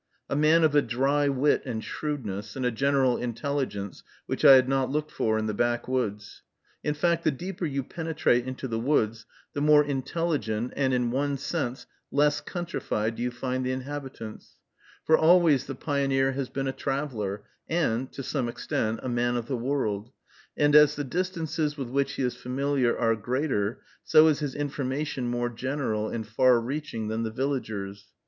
A man of a dry wit and shrewdness, and a general intelligence which I had not looked for in the back woods. In fact, the deeper you penetrate into the woods, the more intelligent, and, in one sense, less countrified do you find the inhabitants; for always the pioneer has been a traveler, and, to some extent, a man of the world; and, as the distances with which he is familiar are greater, so is his information more general and far reaching than the villager's.